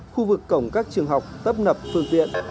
khu vực cổng các trường học tấp nập phương tiện